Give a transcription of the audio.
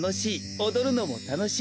おどるのもたのしい。